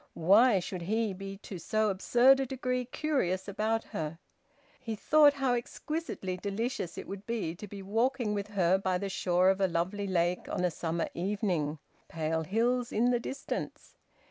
Why should he be to so absurd a degree curious about her? He thought how exquisitely delicious it would be to be walking with her by the shore of a lovely lake on a summer evening, pale hills in the distance.